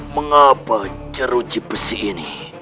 mengapa jeruji besi ini